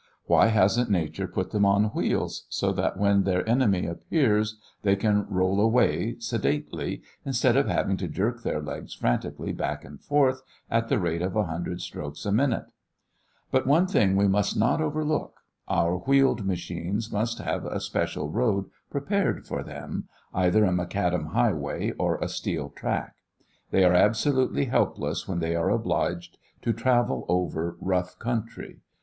Why hasn't nature put them on wheels so that when their enemy appears they can roll away, sedately, instead of having to jerk their legs frantically back and forth at the rate of a hundred strokes a minute? But one thing we must not overlook. Our wheeled machines must have a special road prepared for them, either a macadam highway or a steel track. They are absolutely helpless when they are obliged to travel over rough country.